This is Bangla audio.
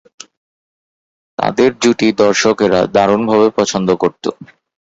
তাঁদের জুটি দর্শকেরা দারুণভাবে পছন্দ করতো।